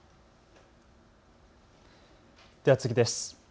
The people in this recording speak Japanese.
では次です。